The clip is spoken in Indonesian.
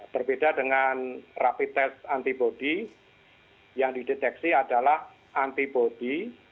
berbeda dengan rapi tes antibody yang dideteksi adalah antibody